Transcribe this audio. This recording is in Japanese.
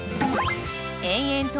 ［延々と］